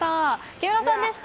木村さんでした。